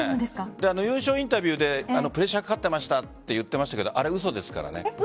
優勝インタビューでプレッシャーかかってましたって言っていましたが、あれ嘘です。